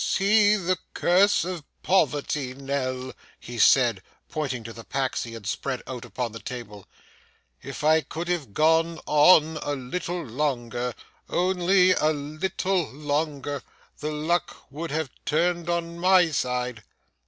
'See the curse of poverty, Nell,' he said, pointing to the packs he had spread out upon the table. 'If I could have gone on a little longer, only a little longer, the luck would have turned on my side.